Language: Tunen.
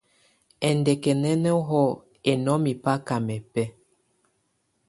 Ɛndɛkɛnɔnɔhɔ ɛnɔmɛ baka mɛbɛ.